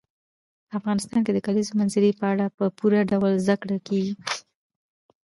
په افغانستان کې د کلیزو منظره په اړه په پوره ډول زده کړه کېږي.